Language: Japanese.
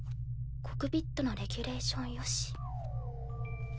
コクピットのレギュレーションよし。